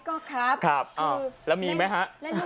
ก็ครับแล้วมีไหมฮะ